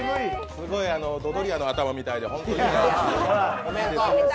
すごいドドリアの頭みたいで。